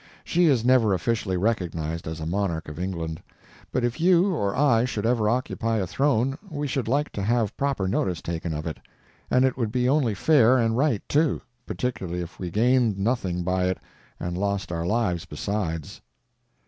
She is never officially recognized as a monarch of England, but if you or I should ever occupy a throne we should like to have proper notice taken of it; and it would be only fair and right, too, particularly if we gained nothing by it and lost our lives besides.